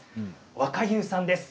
若勇さんです。